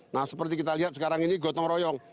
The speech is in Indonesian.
nah seperti kita lihat sekarang ini gotong royong